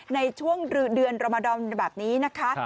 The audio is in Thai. ในช่วงเดือนรมดอมแบบนี้นะคะ